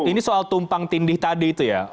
ini soal tumpang tindih tadi itu ya